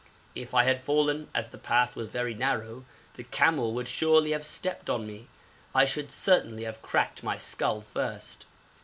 If I had fallen, as the path was very narrow, the camel would surely have stepped on me. I should certainly have cracked my skull first.